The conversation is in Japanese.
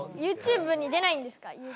ＹｏｕＴｕｂｅに出ないんですか？